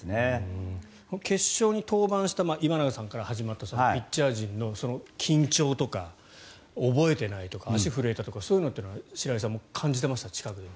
決勝に登板した今永さんから始まったピッチャー陣のその緊張とか、覚えていないとか足が震えたとかそういうのは白井さんも近くで感じてました？